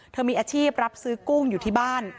มีอาชีพรับซื้อกุ้งอยู่ที่บ้าน